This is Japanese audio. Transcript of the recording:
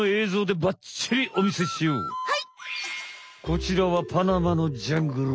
こちらはパナマのジャングル。